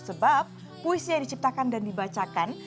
sebab puisi yang diciptakan dan dibacakan